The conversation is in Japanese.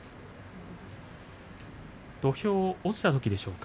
土俵、落ちたときでしょうか。